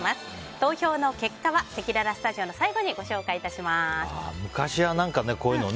投票の結果はせきららスタジオの最後に昔はこういうのね